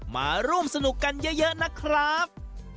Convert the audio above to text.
มาร่วมสนุกกันเยอะนะครับ